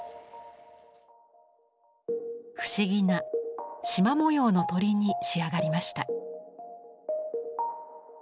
不思議なしま模様の鳥に仕上がりました。